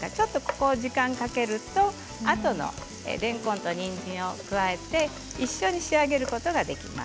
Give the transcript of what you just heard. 時間をかけると後のれんこんとにんじんを加えて一緒に仕上げることができます。